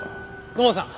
土門さん。